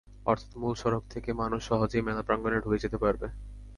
অর্থাৎ মূল সড়ক থেকে মানুষ সহজেই মেলা প্রাঙ্গণে ঢুকে যেতে পারবে।